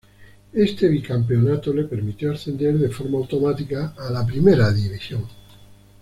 Este bicampeonato le permitió ascender de forma automática a la Primera División.